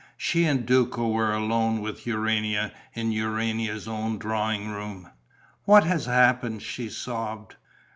She and Duco were alone with Urania in Urania's own drawing room. "What has happened?" she sobbed.